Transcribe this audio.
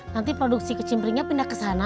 nanti produksi kecimbringnya pindah kesana